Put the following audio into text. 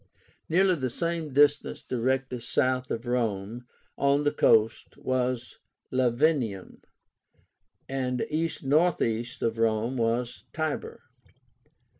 Nearly the same distance directly south of Rome, on the coast, was Lavinium, and east northeast of Rome was Tibur.